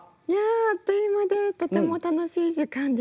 あっという間でとても楽しい時間でした。